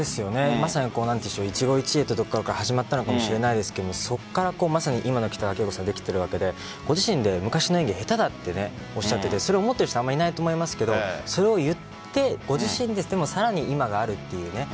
まさに一期一会というところから始まったのかもしれないですがそこから今の北川景子さんができているわけでご自身で昔の演技下手だと言っていて思ってる人あまりないと思いますがそれを言ってご自身で、さらに今があるという。